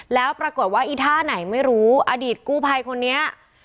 แล้วปรากฏว่าอีท่าไหนไม่รู้อดีตกู้ภัยคนนี้